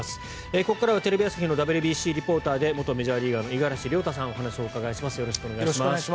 ここからはテレビ朝日のＷＢＣリポーターで元メジャーリーガーの五十嵐亮太さんにお話をお伺いします。